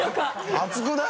熱くない？